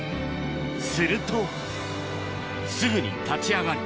するとすぐに立ち上がり